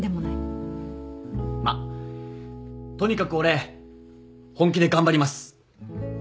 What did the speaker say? まっとにかく俺本気で頑張ります。